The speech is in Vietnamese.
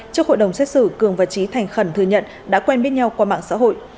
trước hội đồng xét xử cường và trí thành khẩn thừa nhận đã quen biết nhau qua mạng xã hội